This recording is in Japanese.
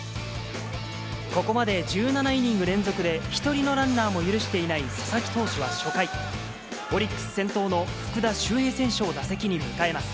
ここまで１７イニング連続で、一人のランナーも許していない佐々木投手は初回、オリックス先頭の福田周平選手を打席に迎えます。